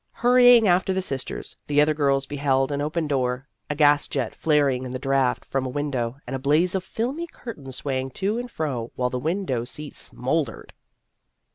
Hurrying af ter the sisters, the other girls beheld an open door, a gas jet flaring in the draught from a window, and a blaze of filmy cur tains swaying to and fro, while the window seat smouldered.